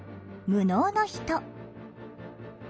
「無能の人」。